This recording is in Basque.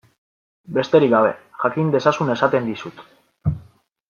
Besterik gabe, jakin dezazun esaten dizut.